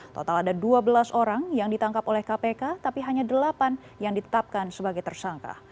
total ada dua belas orang yang ditangkap oleh kpk tapi hanya delapan yang ditetapkan sebagai tersangka